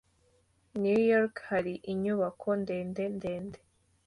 I New York hari inyubako ndende ndende.